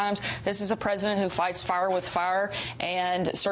ini adalah presiden yang menanggung api dengan api